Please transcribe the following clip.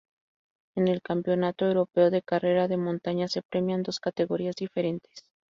En el Campeonato Europeo de Carrera de Montaña se premian dos categorías diferentes.